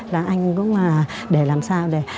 là anh cũng để làm sao để